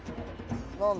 ⁉何だ？